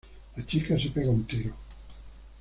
La chica se pega un tiro.